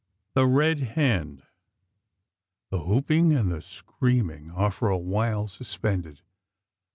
THE RED HAND. The whooping and screaming are for a while suspended.